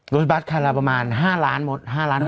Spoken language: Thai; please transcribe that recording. รถบัสคันละประมาณ๕ล้านบาท